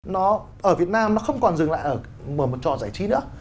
nó ở việt nam nó không còn dừng lại ở mở một trò giải trí nữa